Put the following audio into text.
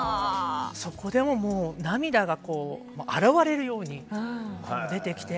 そこでも涙が洗われるように出てきて。